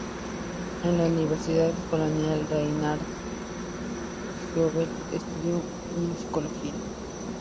En la universidad de Colonia, Reinhard Goebel, estudió musicología.